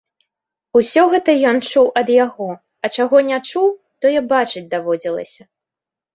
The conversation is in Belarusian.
Усё гэта ён чуў ад яго, а чаго не чуў, тое бачыць даводзілася.